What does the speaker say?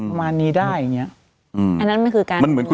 มีสารตั้งต้นเนี่ยคือยาเคเนี่ยใช่ไหมคะ